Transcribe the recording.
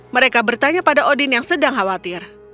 mereka bertanya pada odin yang sedang khawatir